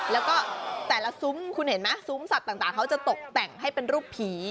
แล้วก็แต่ละซุ้มคุณเห็นไหมซุ้มสัตว์ต่างเขาจะตกแต่งให้เป็นรูปผี